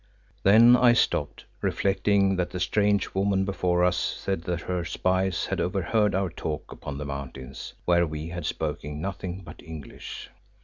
Then I stopped, reflecting that the strange woman before us said that her spies had overheard our talk upon the mountains, where we had spoken nothing but English.